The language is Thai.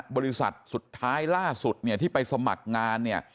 บริษัทสุดท้ายล่าสุดที่ไปสมัครงาน